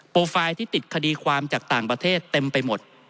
ไฟล์ที่ติดคดีความจากต่างประเทศเต็มไปหมด